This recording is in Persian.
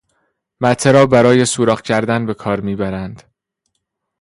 مته را برای سوراخ کردن به کار میبرند.